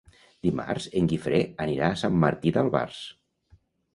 Dimarts en Guifré anirà a Sant Martí d'Albars.